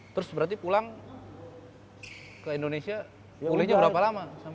terus berarti pulang ke indonesia pulihnya berapa lama